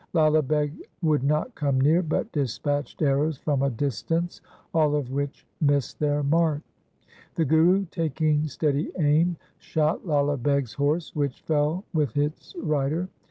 Lala Beg would not come near, but dispatched arrows from a distance, all of which missed their mark. The Guru, taking steady aim, shot Lala Beg's horse, which fell with its rider.